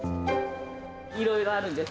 いろいろあるんです。